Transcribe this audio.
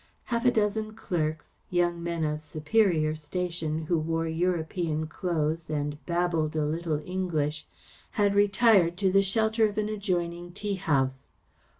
Half a dozen clerks, young men of superior station who wore European clothes and babbled a little English, had retired to the shelter of an adjoining tea house.